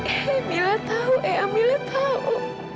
eh mila tahu eyang mila tahu